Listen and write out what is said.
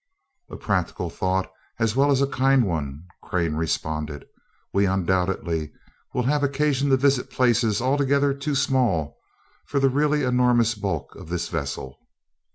"A practical thought, as well as a kind one," Crane responded. "We undoubtedly will have occasion to visit places altogether too small for the really enormous bulk of this vessel."